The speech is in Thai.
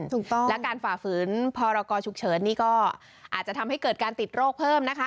ถูกต้องและการฝ่าฝืนพรกรฉุกเฉินนี่ก็อาจจะทำให้เกิดการติดโรคเพิ่มนะคะ